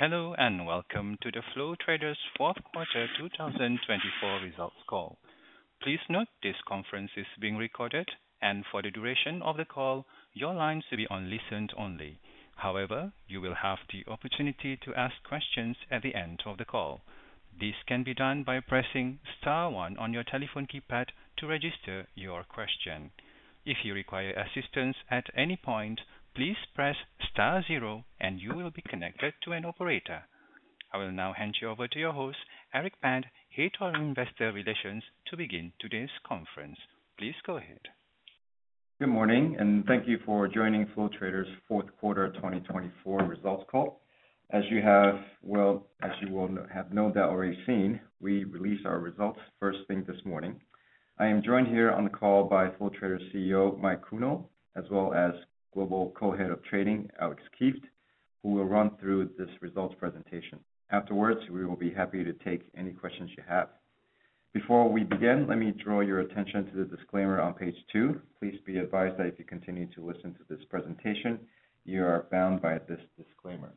Hello and welcome to the Flow Traders fourth quarter 2024 results call. Please note this conference is being recorded and for the duration of the call your lines will be on listen-only. However, you will have the opportunity to ask questions at the end of the call. This can be done by pressing one on your telephone keypad to register your question. If you require assistance at any point, please press 0 and you will be connected to an operator. I will now hand you over to your host, Eric Pan, Head of Investor Relations, to begin today's conference. Please go ahead. Good morning and thank. you for joining Flow Traders' fourth quarter 2024 results call. As you will have no doubt already seen, we released our results first thing this morning. I am joined here on the call by Flow Traders CEO Mike Kuehnel as well as Global Co-Head of Trading Alex Kieft who will run through this results presentation afterwards. We will be happy to take any questions you have. Before we begin, let me draw your attention to the disclaimer on page two. Please be advised that if you continue to listen to this presentation, you are bound by this disclaimer.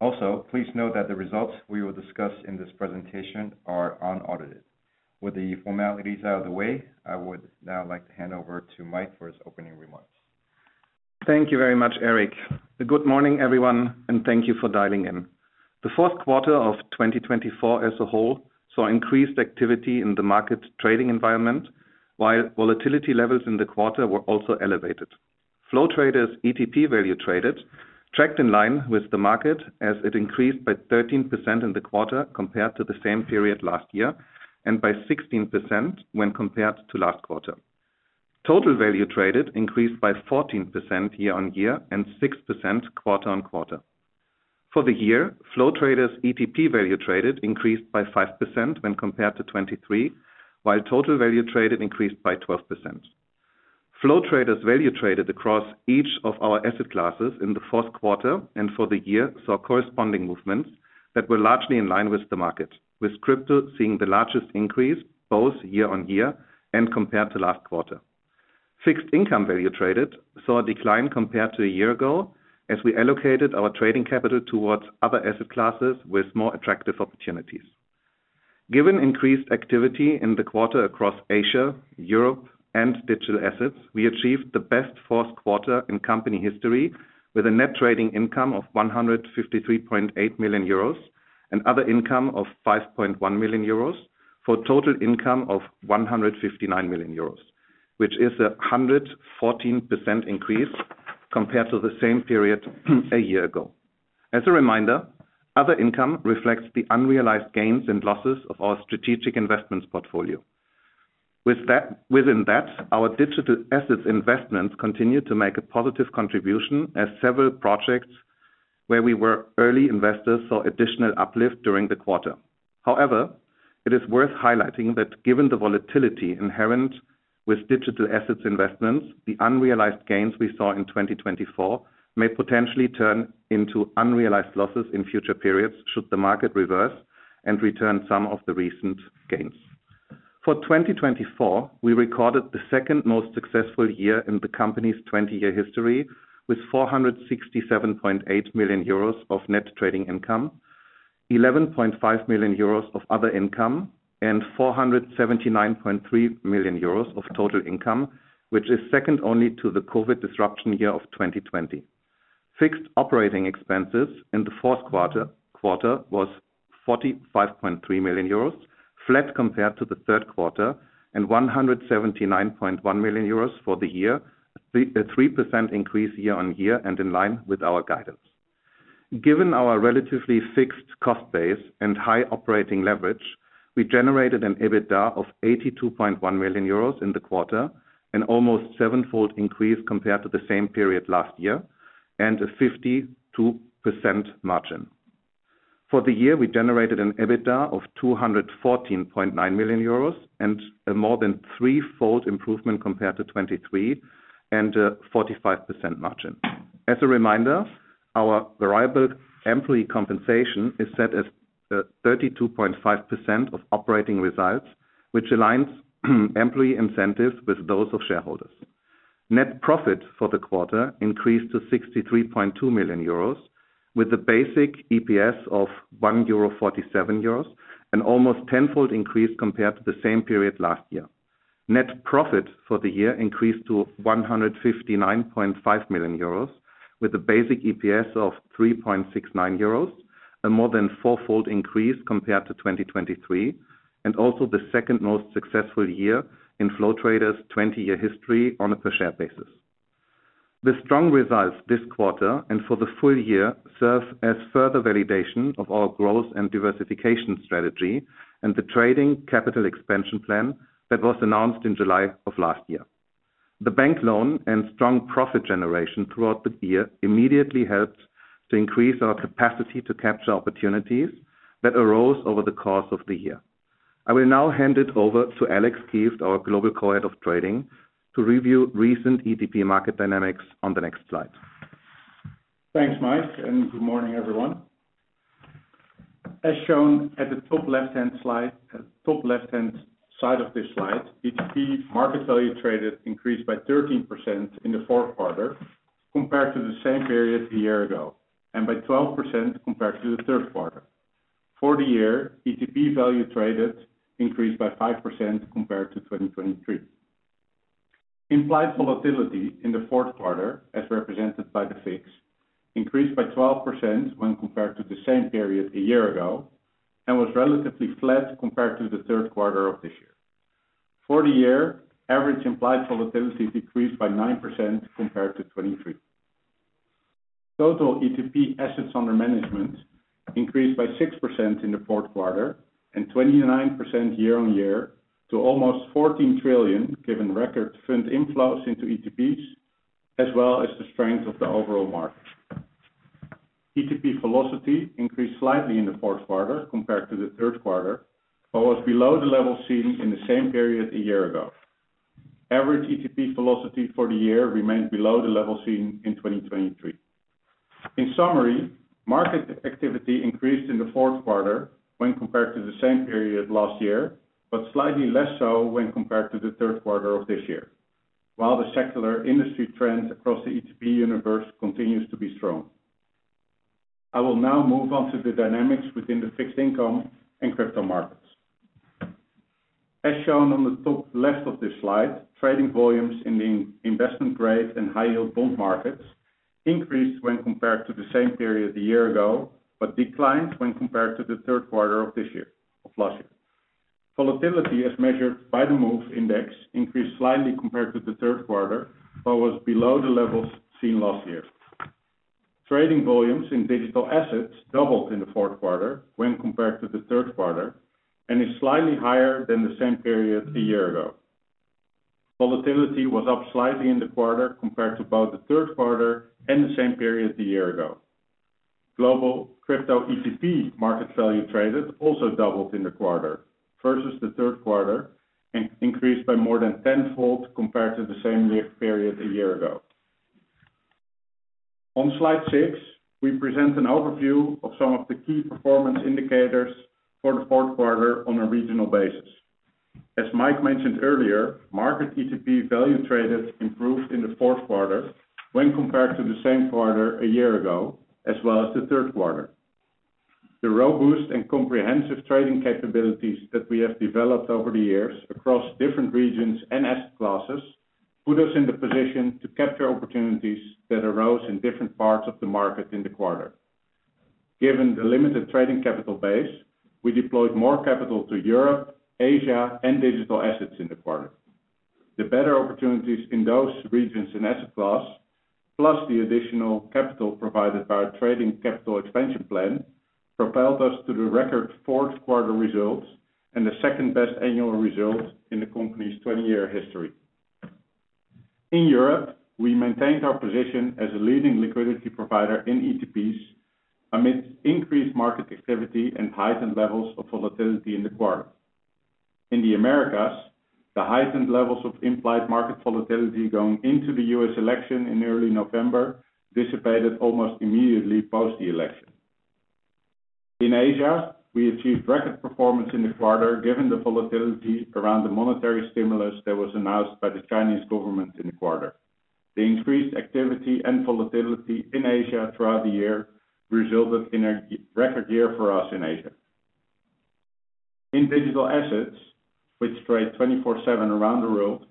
Also, please note that the results we will discuss in this presentation are unaudited. With the formalities out of the way, I would now like to hand over to Mike for his opening remarks. Thank you very much, Eric. Good morning, everyone, and thank you for dialing in. The fourth quarter of 2024 as a whole saw increased activity in the market trading environment while volatility levels in the quarter were also elevated. Flow Traders ETP value traded tracked in line with the market as it increased by 13% in the quarter compared to the same period last year and by 16% when compared to last quarter. Total value traded increased by 14% year on year and 6% quarter on quarter. For the year, Flow Traders ETP value traded increased by 5% when compared to 2023 while total value traded increased by 12%. Flow Traders value traded across each of our asset classes in the fourth quarter and for the year saw corresponding movements that were largely in line with the market, with crypto seeing the largest increase both year on year and compared to last quarter. Fixed income value traded saw a decline compared to a year ago as we allocated our trading capital towards other asset classes with more attractive opportunities given increased activity in the quarter. Across Asia, Europe and digital assets, we achieved the best fourth quarter in company history with a net trading income of 153.8 million euros and other income of 5.1 million euros for total income of 159 million euros, which is a 114% increase compared to the same period a year ago. As a reminder, other income reflects the unrealized gains and losses of our strategic investments portfolio. Within that, our digital assets investments continue to make a positive contribution as several projects where we were early investors saw additional uplift during the quarter. However, it is worth highlighting that given the volatility inherent with digital assets investments, the unrealized gains we saw in 2024 may potentially turn into unrealized losses in future periods should the market reverse and return some of the recent gains. For 2024, we recorded the second most successful year in the company's 20-year history with 467.8 million euros of net trading income, 11.5 million euros of other income and 479.3 million euros of total income, which is second only to the COVID disruption year of 2020. Fixed operating expenses in the fourth quarter was 45.3 million euros flat compared to the third quarter and 179.1 million euros for the year, a 3% increase year on year and in line with our guidance. Given our relatively fixed cost base and high operating leverage, we generated an EBITDA of 82.1 million euros in the quarter, an almost sevenfold increase compared to the same period last year and a 52% margin. For the year we generated an EBITDA of 214.9 million euros and a more than threefold improvement compared to 2023 and 45% margin. As a reminder, our variable employee compensation is set as 32.5% of operating results, which aligns employee incentives with those of shareholders. Net profit for the quarter increased to 63.2 million euros with the basic EPS of 1.47 euros, an almost tenfold increase compared to the same period last year. Net profit for the year increased to 159.5 million euros with a basic EPS of 3.69 euros, a more than fourfold increase compared to 2023 and also the second most successful year in Flow Traders' 20-year history on a per share basis. The strong results this quarter and for the full year strongly serve as further validation of our growth and diversification strategy and the trading capital expansion plan that was announced in July of last year. The bank loan and strong profit generation throughout the year immediately helped to increase our capacity to capture opportunities that arose over the course of the year. I will now hand it over to Alex Kieft, our Global Co-Head of Trading to review recent ETP market dynamics on the next slide. Thanks, Mike, and good morning, everyone. As shown at the top left hand slide at the top left hand side of this slide, ETP market value traded increased by 13% in the fourth quarter compared to the same period a year ago and by 12% compared to the third quarter. For the year, ETP value traded increased by 5% compared to 2023. Implied volatility in the fourth quarter as represented by the VIX increased by 12% when compared to the same period a year ago and was relatively flat compared to the third quarter of this year. For the year, average implied volatility decreased by 9% compared to 2023. Total ETP assets under management increased by 6% in the fourth quarter and 29% year on year to almost $14 trillion. Given record fund inflows into ETPs as well as the strength of the overall market, ETP velocity increased slightly in the fourth quarter compared to the third quarter, but was below the level seen in the same period a year ago. Average ETP velocity for the year remained below the level seen in 2023. In summary, market activity increased in the fourth quarter when compared to the same period last year, but slightly less so when compared to the third quarter of this year. While the secular industry trend across the ETP universe continues to be strong, I will now move on to the dynamics within the fixed income and crypto markets as shown on the top left of this slide. Trading volumes in the investment grade and high yield bond markets increased when compared to the same period a year ago but declined when compared to the third quarter of this year. Of last year, volatility as measured by the MOVE Index increased slightly compared to the third quarter but was below the levels seen last year. Trading volumes in digital assets doubled in the fourth quarter when compared to the third quarter and is slightly higher than the same period a year ago. Volatility was up slightly in the quarter compared to both the third quarter and the same period a year ago. Global crypto ETP market value traded also doubled in the quarter versus the third quarter and increased by more than 10-fold compared to the same period a year ago. On slide 6, we present an overview of some of the key performance indicators for the fourth quarter on a regional basis. As Mike mentioned earlier, market ETP value traded improved in the fourth quarter when compared to the same quarter a year ago as well as the third quarter. The robust and comprehensive trading capabilities that we have developed over the years across different regions and asset classes put us in the position to capture opportunities that arose in different parts of the market in the quarter. Given the limited trading capital base we deployed more capital to Europe, Asia and digital assets in the quarter. The better opportunities in those regions and asset classes plus the additional capital provided by our trading capital expansion plan propelled us to the record fourth quarter results and the second best annual result in the company's 20-year history. In Europe, we maintained our position as a leading liquidity provider in ETPs amidst increased market activity and heightened levels of volatility in the quarter. In the Americas, the heightened levels of implied market volatility going into the U.S. election in early November dissipated almost immediately post the election. In Asia, we achieved record performance in the quarter given the volatility around the monetary stimulus that was announced by the Chinese government in the quarter. The increased activity and volatility in Asia throughout the year resulted in a record year for us in Asia in digital assets which trade 24/7 around the world.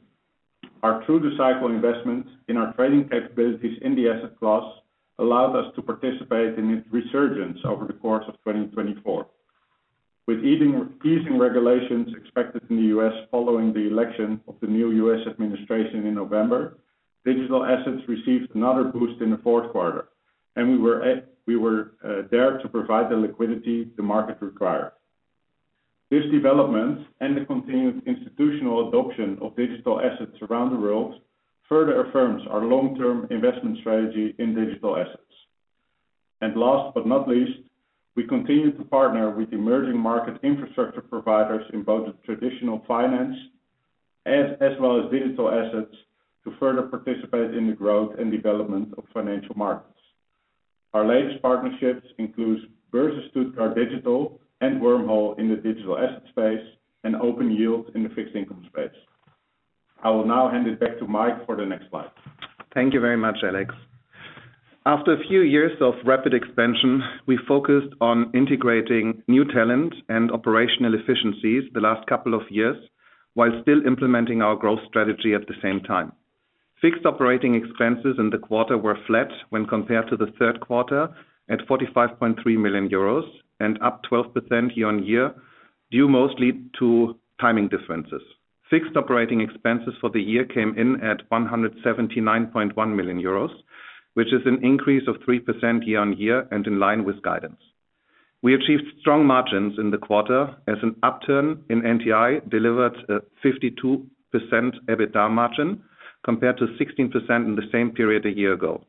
Our through-the-cycle investment in our trading capabilities in the asset class allowed us to participate in its resurgence over the course of 2024 with easing regulations expected in the U.S. following the election of the new U.S. administration in November, digital assets received another boost in the fourth quarter and we were there to provide the liquidity the market required. This development and the continued institutional adoption of digital assets around the world further affirms our long-term investment strategy in digital assets, and last but not least, we continue to partner with emerging market infrastructure providers in both the traditional finance and as well as digital assets to further participate in the growth and development of financial markets. Our latest partnerships include Börse Stuttgart Digital and Wormhole in the digital asset space and OpenYield in the fixed income space. I will now hand it back to Mike for the next slide. Thank you very much, Alex. After a few years of rapid expansion, we focused on integrating new talent and operational efficiencies the last couple of years while still implementing our growth strategy. At the same time, fixed operating expenses in the quarter were flat when compared to the third quarter at 45.3 million euros and up 12% year on year due mostly to timing differences. Fixed operating expenses for the year came in at 179.1 million euros, which is an increase of 3% year on year, and in line with guidance, we achieved strong margins in the quarter as an upturn in NTI delivered a third quarter 52% EBITDA margin compared to 16% in the same period a year ago.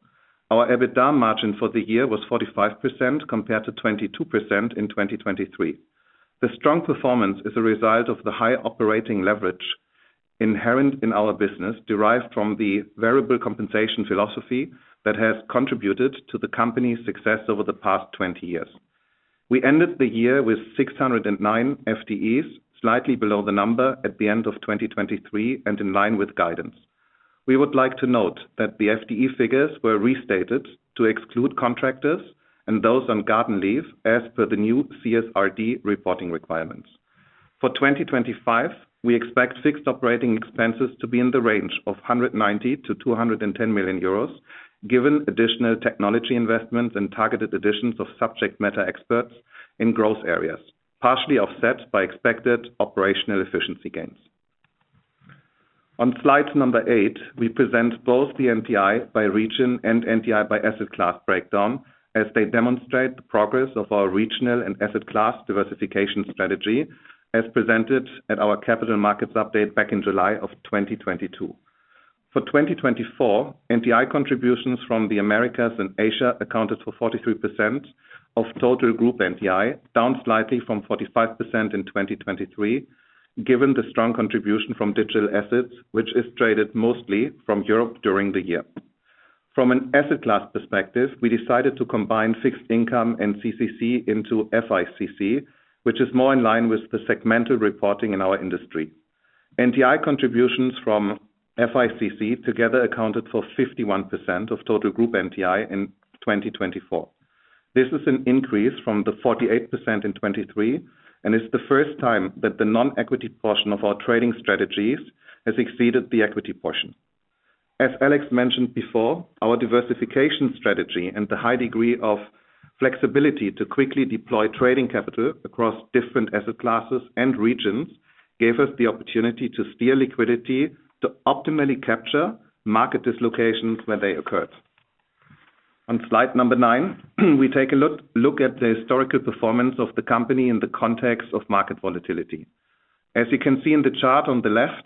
Our EBITDA margin for the year was 45% compared to 22% in 2023. The strong performance is a result of the high operating leverage inherent in our business derived from the variable compensation philosophy that has contributed to the company's success over the past 20 years. We ended the year with 609 FTEs, slightly below the number at the end of 2023 and in line with guidance. We would like to note that the FTE figures were restated to exclude contractors and those on garden leave as per the new CSRD reporting requirements for 2025. We expect fixed operating expenses to be in the range of 190 million-210 million euros given additional technology investments and targeted additions of subject matter experts in growth areas partially offset by expected operational efficiency gains. On slide number eight, we present both the NTI by region and NTI by asset class breakdown as they demonstrate the progress of our regional and asset class diversification strategy as presented at our Capital Markets Update back in July of 2022. For 2024, NTI contributions from the Americas and Asia accounted for 43% of total group NTI, down slightly from 45% in 2023. Given the strong contribution from digital assets which is traded mostly from Europe during the year, from an asset class perspective, we decided to combine fixed income and CCC into FICC, which is more in line with the segmental reporting in our industry. NTI contributions from FICC together accounted for 51% of total group NTI in 2024. This is an increase from the 48% in 2023 and is the first time that the non equity portion of our trading strategies has exceeded the equity portion. As Alex mentioned before, our diversification strategy and the high degree of flexibility to quickly deploy trading capital across different asset classes and regions gave us the opportunity to steer liquidity to optimally capture market dislocations where they occurred. On slide number nine, we take a look at the historical performance of the company in the context of market volatility. As you can see in the chart on the left,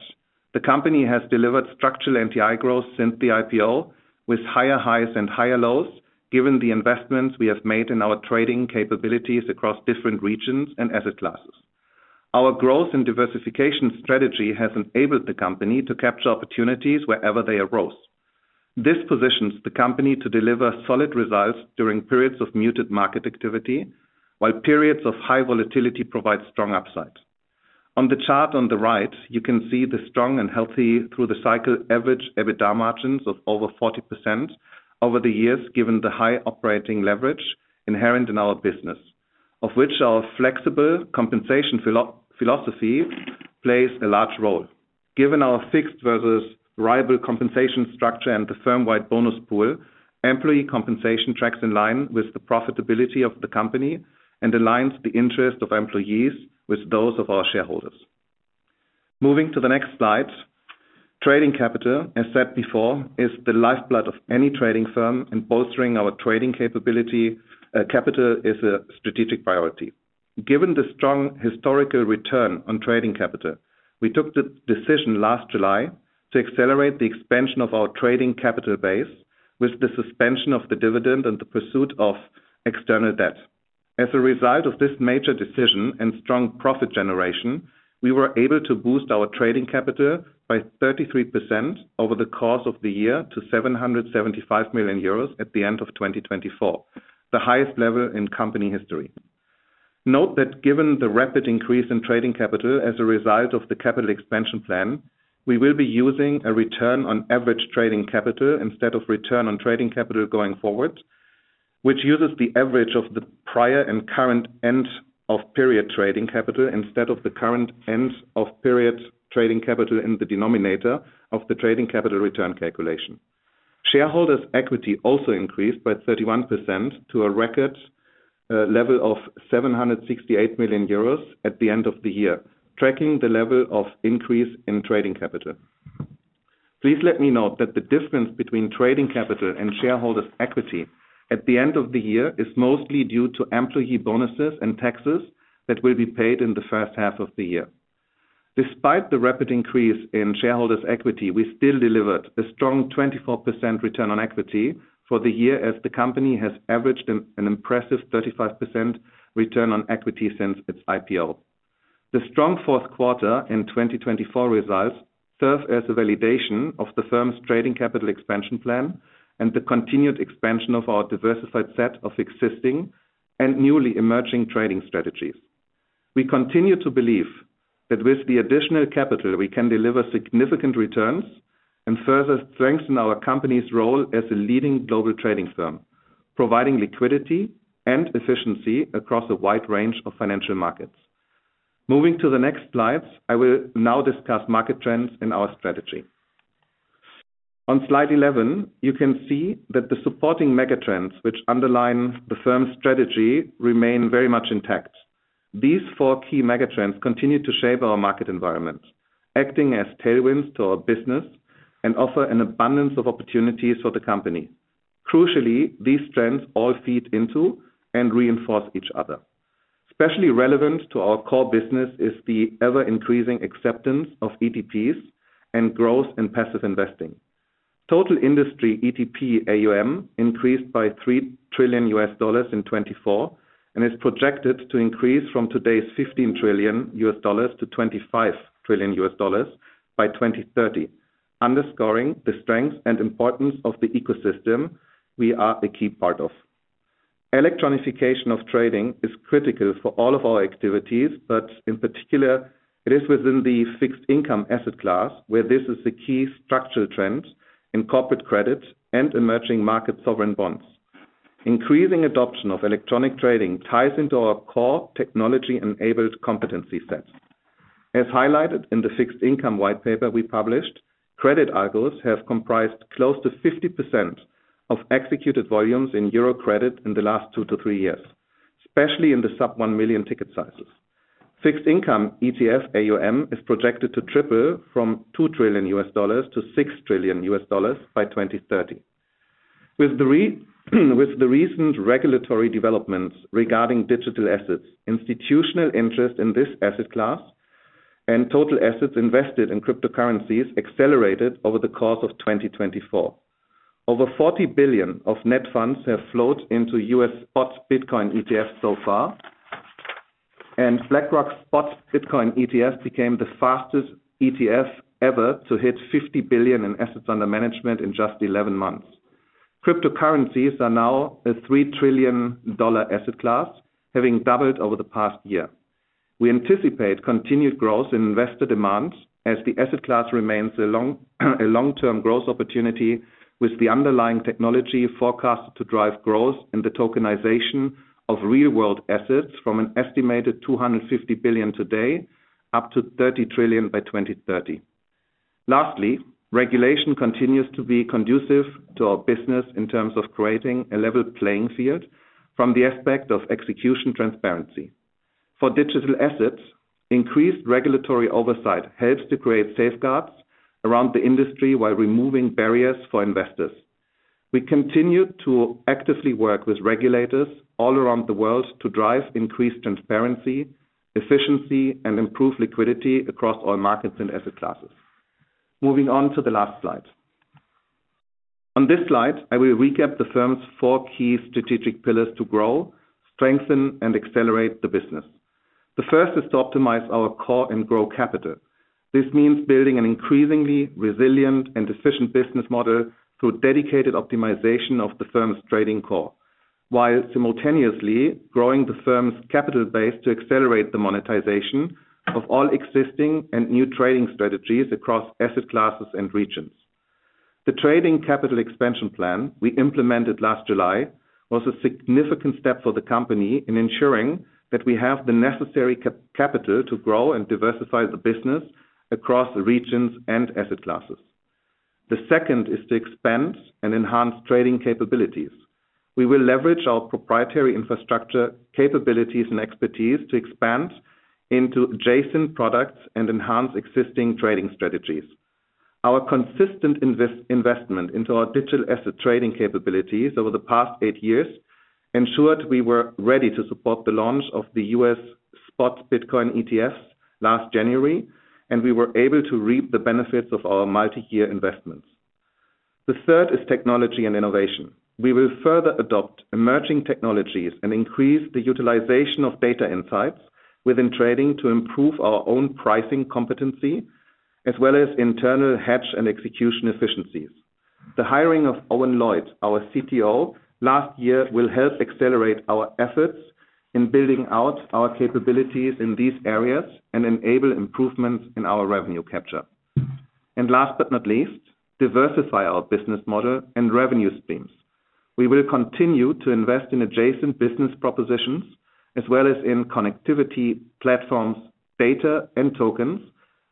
the company has delivered structural NTI growth since the IPO with higher highs and higher lows. Given the investments we have made in our trading capabilities across different regions and asset classes, our growth and diversification strategy has enabled the company to capture opportunities wherever they arose. This positions the company to deliver solid results during periods of muted market activity while periods of high volatility provide strong upside. On the chart on the right, you can see the strong and healthy through-the-cycle average EBITDA margins of over 40% over the years. Given the high operating leverage inherent in our business, of which our flexible compensation philosophy plays a large role. Given our fixed versus variable compensation structure and the firm-wide bonus pool, employee compensation tracks in line with the profitability of the company and aligns the interests of employees with those of our shareholders. Moving to the next slide, trading capital, as said before, is the lifeblood of any trading firm, and bolstering our trading capability capital is a strategic priority. Given the strong historical return on trading capital, we took the decision last July to accelerate the expansion of our trading capital base with the suspension of the dividend and the pursuit of external debt. As a result of this major decision and strong profit generation, we were able to boost our trading capital by 33% over the course of the year to 775 million euros at the end of 2024, the highest level in company history. Note that given the rapid increase in trading capital as a result of the capital expansion plan, we will be using a return on average trading capital instead of return on trading capital going forward, which uses the average of the prior and current end of period trading capital instead of the current end of period trading capital. In the denominator of the trading capital return calculation, shareholders' equity also increased by 31% to a record level of 768 million euros at the end of the year. Tracking the level of increase in trading capital, please let me note that the difference between trading capital and shareholders' equity at the end of the year is mostly due to employee bonuses and taxes that will be paid in the first half of the year. Despite the rapid increase in shareholders' equity, we still delivered a strong 24% return on equity for the year as the company has averaged an impressive 35% return on equity since its IPO. The strong fourth quarter and 2024 results serve as a validation of the firm's trading capital expansion plan and the continued expansion of our diversified set of existing and newly emerging trading strategies. We continue to believe that with the additional capital we can deliver significant returns and further strengthen our company's role as a leading global trading firm, providing liquidity and efficiency across a wide range of financial markets. Moving to the next slides, I will now discuss market trends in our strategy on slide 11. You can see that the supporting megatrends, which underline the firm's strategy, remain very much intact. These four key megatrends continue to shape our market environment, acting as tailwinds to our business and offer an abundance of opportunities for the company. Crucially, these trends all feed into and reinforce each other. Especially relevant to our core business is the ever increasing acceptance of ETPs and growth in passive investing. Total industry ETP AUM increased by $3 trillion in 2024 and is projected to increase from today's $15 trillion to $25 trillion by 2030, underscoring the strength and importance of the ecosystem we are a key part of. Electronification of trading is critical for all of our activities, but in particular it is within the fixed income asset class where this is the key structural trend in corporate credit and emerging market sovereign bonds. Increasing adoption of electronic trading ties into our core technology enabled competency set. As highlighted in the fixed income white paper we published, credit algos have comprised close to 50% of executed volumes in Euro credit in the last two to three years, especially in the sub-$1 million ticket sizes. Fixed income ETF AUM is projected to triple from $2 trillion to $6 trillion by 2030. With the recent regulatory developments regarding digital assets, institutional interest in this asset class and total assets invested in cryptocurrencies accelerated over the course of 2024. Over $40 billion of net funds have flowed into U.S. spot Bitcoin ETFs so far and BlackRock spot Bitcoin ETF became the fastest ETF ever to hit $50 billion in assets under management in just 11 months. Cryptocurrencies are now a $3 trillion asset class having doubled over the past year. We anticipate continued growth in investor demand as the asset class remains a long term growth opportunity with the underlying technology forecast to drive growth in the tokenization of real world assets from an estimated $250 billion today up to $30 trillion by 2030. Lastly, regulation continues to be conducive to our business in terms of creating a level playing field from the aspect of execution transparency for digital assets. Increased regulatory oversight helps to create safeguards around the industry while removing barriers for investors. We continue to actively work with regulators all around the world to drive increased transparency, efficiency and improve liquidity across all markets and asset classes. Moving on to the last slide. On this slide, I will recap the firm's four key strategic pillars to grow, strengthen and accelerate the business. The first is to optimize our core and grow capital. This means building an increasingly resilient and efficient business model through dedicated optimization of the firm's trading core while simultaneously growing the firm's capital base to accelerate the monetization of all existing and new trading strategies across asset classes and regions. The trading capital expansion plan we implemented last July was a significant step for the company in ensuring that we have the necessary capital to grow and diversify the business across regions and asset classes. The second is to expand and enhance trading capabilities. We will leverage our proprietary infrastructure capabilities and expertise to expand into adjacent products and enhance existing trading strategies. Our consistent investment into our digital asset trading capabilities over the past eight years ensured we were ready to support the launch of the U.S. spot Bitcoin ETFs last January and we were able to reap the benefits of our multi-year investments. The third is technology and innovation. We will further adopt emerging technologies and increase the utilization of data insights within trading to improve our own pricing competency and as well as internal hedge and execution efficiencies. The hiring of Owain Lloyd, our CTO last year will help accelerate our efforts in building out our capabilities in these areas and enable improvements in our revenue capture and last but not least, diversify our business model and revenue streams. We will continue to invest in adjacent business propositions as well as in connectivity, platforms, data and tokens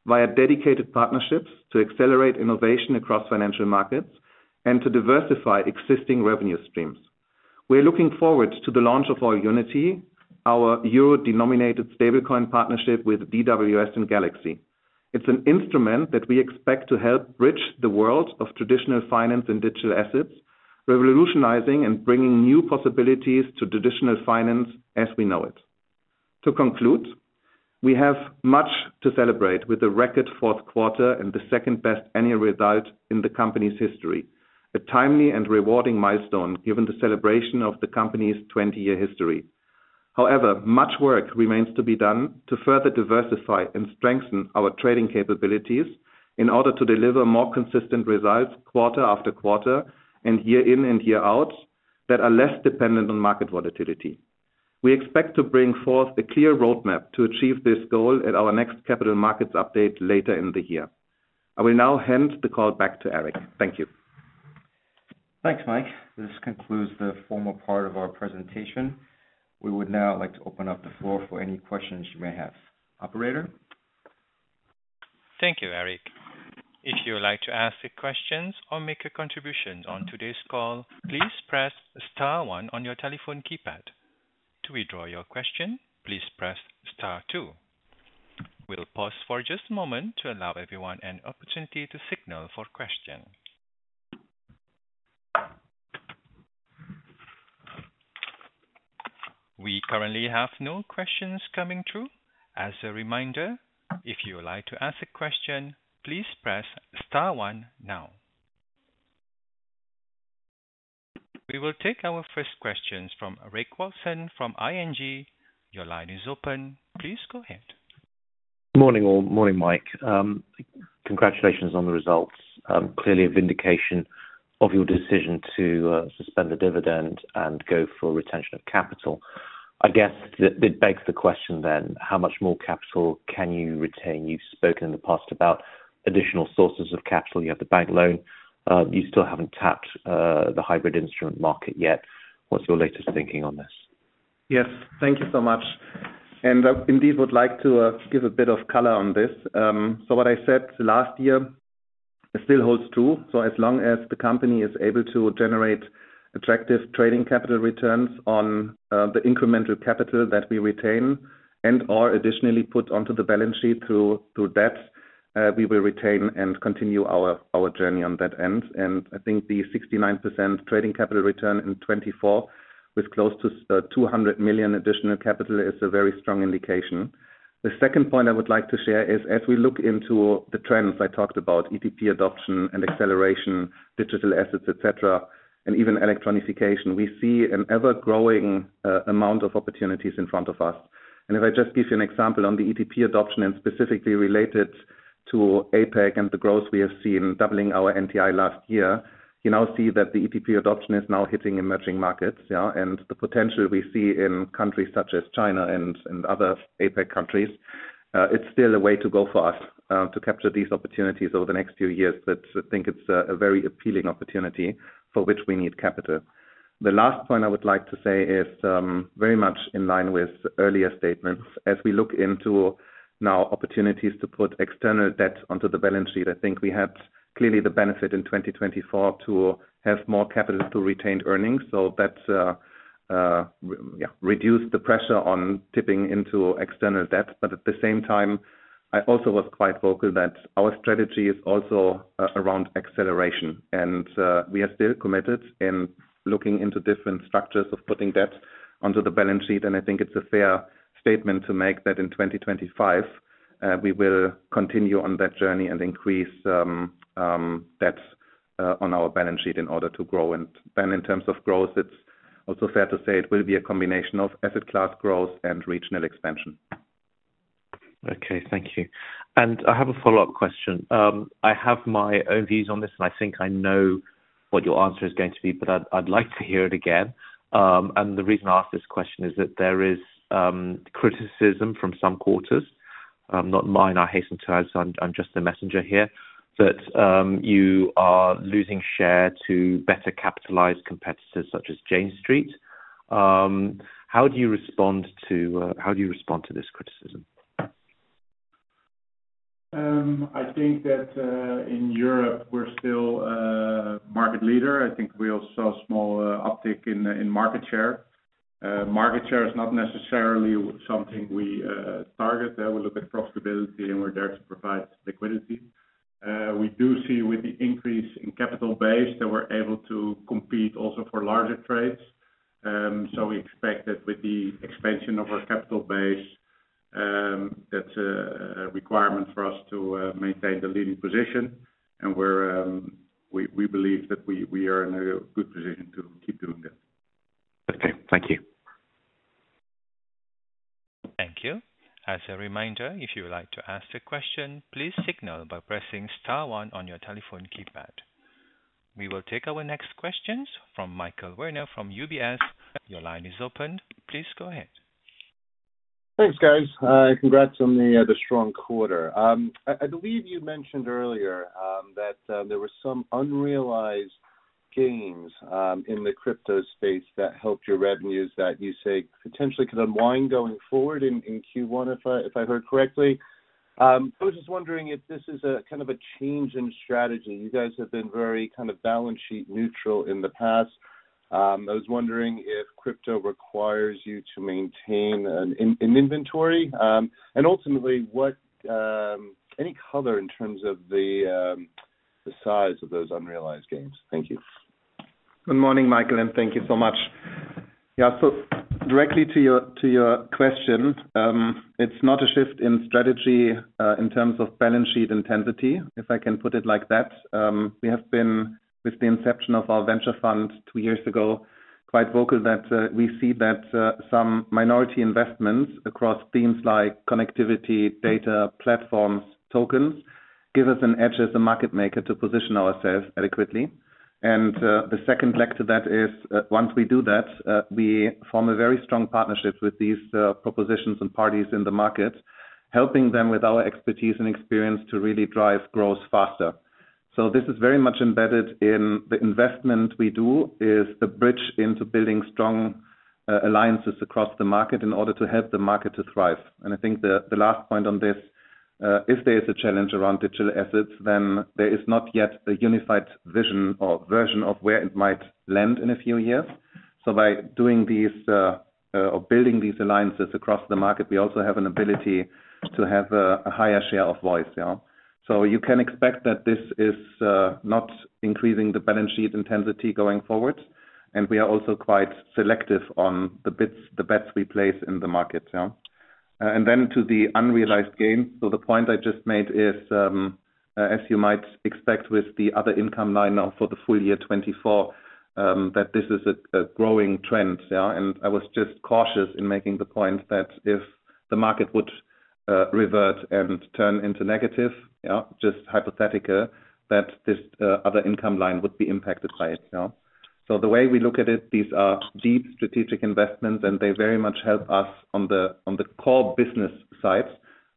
via dedicated partnerships to accelerate innovation across financial markets and to diversify existing revenue streams. We're looking forward to the launch of AllUnity, our euro-denominated stablecoin partnership with DWS and Galaxy. It's an instrument that we expect to help bridge the world of traditional finance and digital assets, revolutionizing and bringing new possibilities to traditional finance as we know it. To conclude, we have much to celebrate with a record fourth quarter and the second best annual result in the company's history. A timely and rewarding milestone given the celebration of the company's 20-year history. However, much work remains to be done to further diversify and strengthen our trading capabilities in order to deliver more consistent results quarter after quarter and year in and year out that are less dependent on market volatility. We expect to bring forth a clear roadmap to achieve this goal at our next Capital Markets Update later in the year. I will now hand the call back to Eric. Thank you. Thanks Mike. This concludes the formal part of our presentation. We would now like to open up the floor for any questions you may have. Operator. Thank you Eric. If you would like to ask questions or make a contribution on today's call, please press star one on your telephone keypad. To withdraw your question, please press star two. We'll pause for just a moment to allow everyone an opportunity to signal for question. We currently have no questions coming through. As a reminder, if you like to ask a question, please press one now. We will take our first questions from Reg Watson from ING. Your line is open. Please go ahead. Morning all. Morning Mike. Congratulations on the results. Clearly a vindication of your decision to suspend the dividend and go for retention of capital. I guess it begs the question then how much more capital can you retain? You've spoken in the past about additional sources of capital. You have the bank loan. You still haven't tapped the hybrid instrument market yet. What's your latest thinking on this? Yes, thank you so much, and indeed would like to give a bit of color on this, so what I said last year still holds true. So as long as the company is able to generate attractive trading capital returns on the incremental capital that we retain and are additionally put onto the balance sheet through debt, we will retain and continue our journey on that end, and I think the 69% trading capital return in 2024 with close to 200 million additional capital is a very strong indication. The second point I would like to share is as we look into the trends I talked about, ETP adoption and acceleration, digital assets, etc., and even electronification, we see an ever growing amount of opportunities in front of us. If I just give you an example on the ETP adoption and specifically related to APAC and the growth we have seen doubling our NTI last year, you now see that the ETP adoption is now hitting emerging markets and the potential we see in countries such as China and other APAC countries. It's still a way to go for us to capture these opportunities over the next few years, but I think it's a very appealing opportunity for which we need capital. The last point I would like to say is very much in line with earlier statements as we look into now opportunities to put external debt onto the balance sheet. I think we had clearly the benefit in 2024 to have more capital to retain earnings, so that. Reduced the pressure on tipping into external debt, but at the same time I also was quite vocal that our strategy is also around acceleration and we are still committed in looking into different structures of putting debt onto the balance sheet, and I think it's a fair statement to make that in 2025 we will continue on that journey and increase. Debts on our balance sheet in order to grow. And then, in terms of growth, it's also fair to say it will be a combination of asset class growth and regional expansion. Okay, thank you and I have a follow up question. I have my own views on this and I think I know what your answer is going to be, but I'd. Like to hear it again. And the reason I ask this question is that there is criticism from some quarters, not mine, I hasten to add. So I'm just the messenger here that you are losing share to better capitalized competitors such as Jane Street. How do you respond to this criticism? I think that in Europe, we're still the market leader. I think we also saw a small uptick in market share. Market share is not necessarily something we target. We look at profitability and we're there to provide liquidity. We do see with the increase in capital base that we're able to compete also for larger trades. So we expect that with the expansion of our capital base, that's a requirement for us to maintain the leading position. And we believe that we are in a good position to keep doing that. Okay, thank you. Thank you. As a reminder, if you would like to ask a question, please press star one on your telephone keypad. We will take our next questions from Michael Werner from UBS. Your line is open. Please go ahead. Thanks, guys. Congrats on the strong quarter. I believe you mentioned earlier that there were some unrealized gains in the crypto space that helped your revenues that you say potentially could unwind going forward in Q1, if I heard correctly. I was just wondering if this is a kind of a change in strategy. You guys have been very kind of balance sheet neutral in the past. I was wondering if crypto requires you to maintain an inventory and ultimately what any color in terms of the size of those unrealized gains. Thank you. Good morning, Michael, and thank you so much. Directly to your question, it's not a shift in strategy in terms of balance sheet intensity, if I can put it like that. We have been, with the inception of our venture fund two years ago, quite vocal that we see that some minority investments across themes like connectivity, data platforms, tokens, give us an edge as a market maker to position ourselves adequately. And the second leg to that is once we do that, we form a very strong partnership with these propositions and parties in the market, helping them with our expertise and experience to really drive growth faster. So this is very much embedded in the investment we do is the bridge into building strong alliances across the market in order to help the market to thrive. And I think the last point on this, if there is a challenge around digital assets, then there is not yet a unified vision or version of where it might land in a few years. So by doing these or building these alliances across the market, we also have an ability to have a higher share of voice. So you can expect that this is not increasing the balance sheet intensity going forward. And we are also quite selective on the bids, the bets we place in the market, and then to the unrealized gain. The point I just made is, as you might expect, with the other income line now for the full year 2024 that this is a growing trend and I was just cautious in making the point that if the market would revert and turn into negative, just hypothetical, that this other income line would be impacted by it. The way we look at it, these are deep strategic investments and they very much help us on the core business side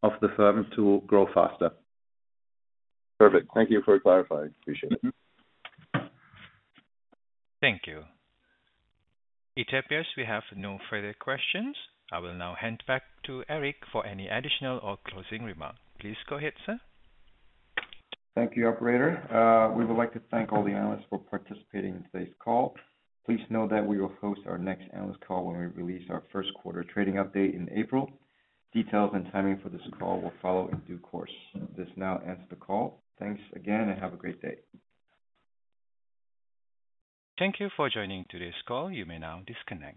of the firm to grow faster. Perfect. Thank you for clarifying. Appreciate it. Thank you. It appears we have no further questions. I will now hand back to Eric for any additional or closing remarks. Please go ahead, sir. Thank you. Operator. We would like to thank all the analysts for participating in today's call. Please know that we will host our next analyst call when we release our first quarter trading update in April. Details and timing for this call will follow in due course. This now ends the call. Thanks again and have a great day. Thank you for joining today's call. You may now disconnect.